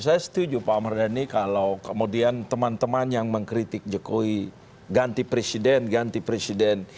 saya setuju pak mardhani kalau kemudian teman teman yang mengkritik jokowi ganti presiden ganti presiden